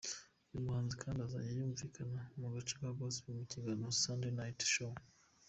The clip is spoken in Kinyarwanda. Uyu muhanzi kandi azajya yumvikana mu gace ka gospel mu kiganiro Sunday night show.